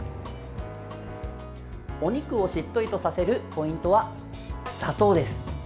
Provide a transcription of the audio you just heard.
お肉をしっとりとさせるポイントは、砂糖です。